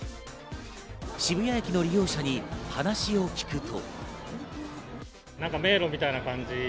渋谷駅の利用者に話を聞くと。